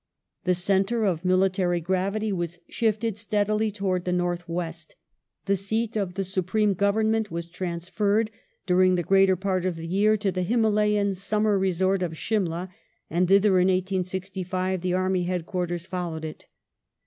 ^ The centre of military gravity was shifted steadily towards the north west. The seat of the supreme Government was transferred, during the greater part of the year, to the Himalayan summer resort of Simla, and thither, in 1865, the army head quarters fol lowed it.